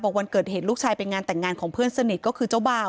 วันเกิดเหตุลูกชายไปงานแต่งงานของเพื่อนสนิทก็คือเจ้าบ่าว